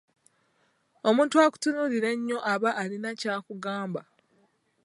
Omuntu akutunuulira ennyo aba alina kyakugamba.